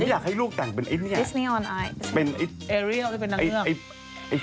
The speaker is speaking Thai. ไม่อยากให้ลูกแต่งเป็นอิศเนี่ย